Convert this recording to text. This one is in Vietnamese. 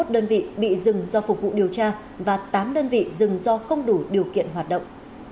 năm mươi một đơn vị bị dừng do phục vụ điều tra và tám đơn vị dừng do không đủ điều kiện hoạt động